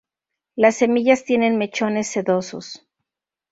Las semillas tienen mechones sedosos.